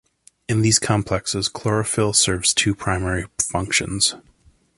In these complexes, chlorophyll serves two primary functions.